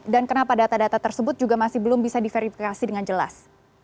dan kenapa data data tersebut juga masih belum bisa diverikasi dengan jelas